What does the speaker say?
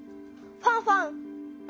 ファンファン！